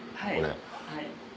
はい。